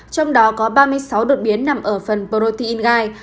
trong đó có ba mươi sáu đột biến nằm ở phần protein gai